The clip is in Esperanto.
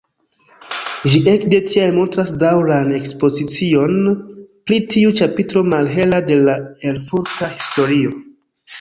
Ĝi ekde tiam montras daŭran ekspozicion pri tiu ĉapitro malhela de la erfurta historio.